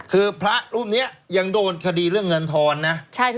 คือพระรูปนี้ยังโดนคดีเรื่องเงินทอนนะ